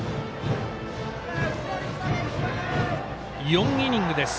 ４イニングです。